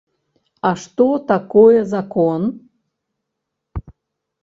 А што такое закон?